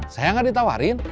saya gak ditawarin